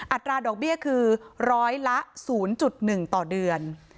อัตราดอกเบี้ยคือร้อยละศูนย์จุดหนึ่งต่อเดือน